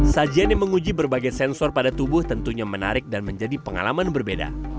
sajian yang menguji berbagai sensor pada tubuh tentunya menarik dan menjadi pengalaman berbeda